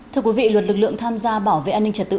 thưa quý vị luật lực lượng tham gia bảo vệ an ninh trật tự